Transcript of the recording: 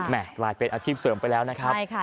กลายเป็นอาชีพเสริมไปแล้วนะครับ